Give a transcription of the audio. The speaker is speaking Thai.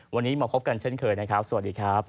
วันนี้มาพบกันเช่นเคยนะครับสวัสดีครับ